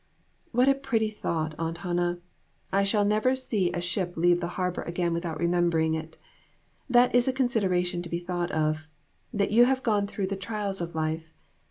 " What a pretty thought, Aunt Hannah ; I shall never see a ship leave the harbor again without remembering it. That is a consider ation to be thought of that you have gone through the trials of life.